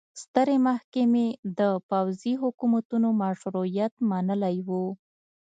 سترې محکمې د پوځي حکومتونو مشروعیت منلی و.